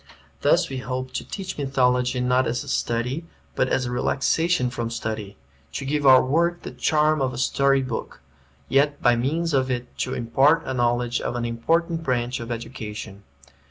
Thus we hope to teach mythology not as a study, but as a relaxation from study; to give our work the charm of a story book, yet by means of it to impart a knowledge of an important branch of education.